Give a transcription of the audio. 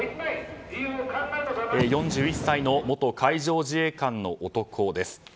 ４１歳の元海上自衛官の男です。